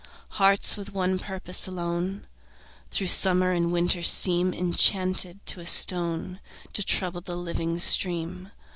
Hearts with one purpose alone Through summer and winter seem Enchanted to a stone To trouble the living stream.